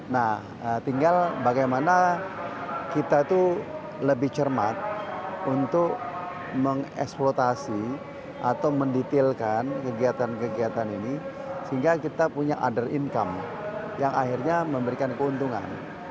nah tinggal bagaimana kita itu lebih cermat untuk mengeksploitasi atau mendetailkan kegiatan kegiatan ini sehingga kita punya other income yang akhirnya memberikan keuntungan